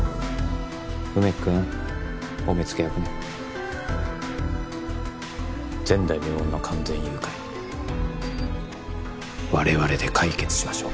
梅木君お目付け役ね前代未聞の完全誘拐我々で解決しましょう